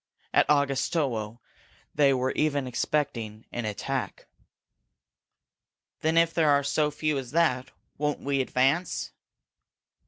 At Augustowo they were even expecting an attack." "Then if there are so few as that, won't we advance?"